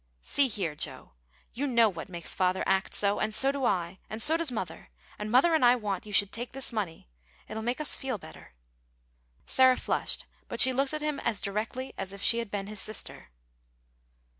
"See here, Joe; you know what makes father act so, and so do I, and so does mother, and mother and I want you should take this money; it'll make us feel better." Sarah flushed, but she looked at him as directly as if she had been his sister.